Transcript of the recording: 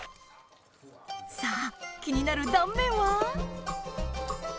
さぁ気になる断面は？